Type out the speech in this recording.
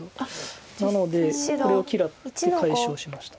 なのでこれを嫌って解消しました。